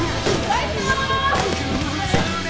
はい！